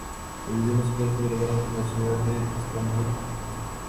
El video musical fue grabado en la ciudad de Estambul, Turquía.